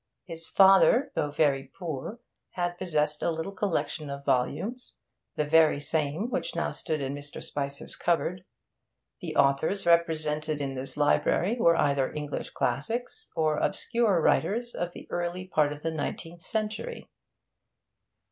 His father, though very poor, had possessed a little collection of volumes, the very same which now stood in Mr. Spicer's cupboard. The authors represented in this library were either English classics or obscure writers of the early part of the nineteenth century.